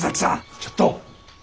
ちょっと。